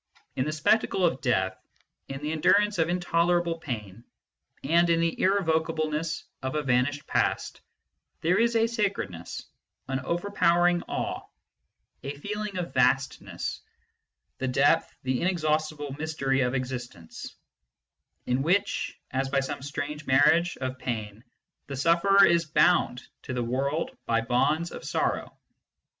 In the spectacle of Death, in the endurance of intolerable pain, and in the irrevocable ness of a vanished past, there is a sacredness, an over powering awe, a feeling of the vastness, the depth, the inexhaustible mystery of existence, in which, as by some strange marriage of pain, the sufferer is bound to the world by bonds of sorrow.